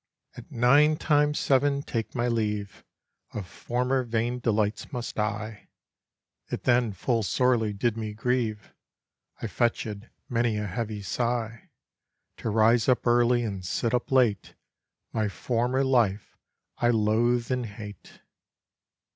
At nine times seven take my leave Of former vain delights must I; It then full sorely did me grieve— I fetchèd many a heavy sigh; To rise up early, and sit up late, My former life, I loathe and hate.